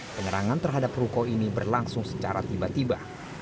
penyerangan terhadap ruko ini berlangsung secara tiba tiba